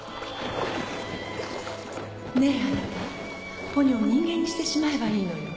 ねぇあなたポニョを人間にしてしまえばいいのよ。